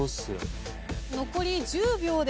残り１０秒です。